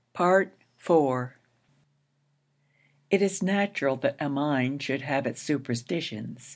IV It is natural that a mine should have its superstitions.